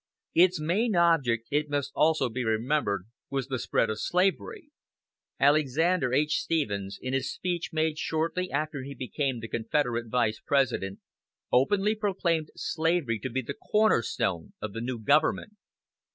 Its main object, it must also be remembered, was the spread of slavery. Alexander H. Stephens, in a speech made shortly after he became the Confederate Vice President, openly proclaimed slavery to be the "corner stone" of the new government.